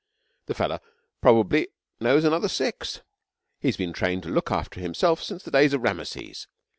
The fellah probably knows another six. He has been trained to look after himself since the days of Rameses.